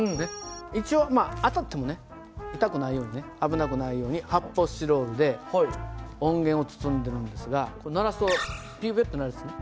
一応当たっても痛くないように危なくないように発泡スチロールで音源を包んでるんですが鳴らすとピピピッとなるやつね。